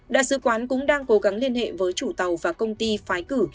đại sứ quán cũng đang cố gắng liên hệ với chủ tàu và công ty phái cử